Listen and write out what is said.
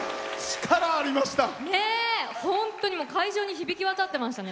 力ありました。